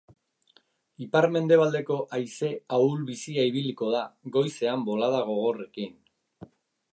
Ipar-mendebaldeko haize ahul-bizia ibiliko da, goizean bolada gogorrekin.